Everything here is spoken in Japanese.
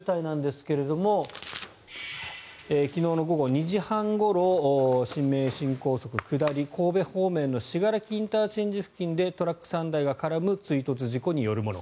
この事故渋滞なんですが昨日の午後２時半ごろ新名神高速下り神戸方面の信楽ＩＣ付近でトラック３台が絡む追突事故によるもの。